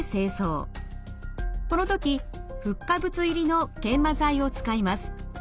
この時フッ化物入りの研磨剤を使います。